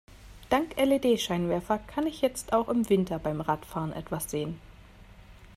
Dank LED-Scheinwerfer kann ich jetzt auch im Winter beim Radfahren etwas sehen.